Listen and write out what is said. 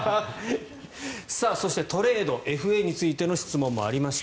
そして、トレードＦＡについての質問もありました。